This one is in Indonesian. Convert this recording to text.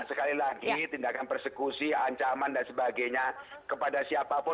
sekali lagi tindakan persekusi ancaman dan sebagainya kepada siapapun